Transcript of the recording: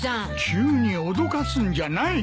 急に脅かすんじゃない！